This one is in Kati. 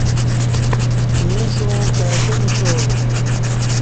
ییں شوں کائی کہ مشالم